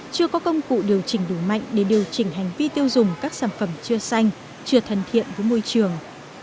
chưa có công cụ điều chỉnh đủ mạnh để điều chỉnh hành vi tiêu dùng các sản phẩm chưa xanh chưa thân thiện với môi trường